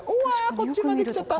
こっちまで来ちゃった！